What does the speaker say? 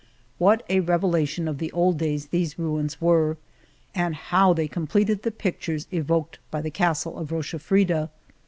What a revelation of the old days these ruins were, and how they completed the pictures evoked by the Castle of Rochafrida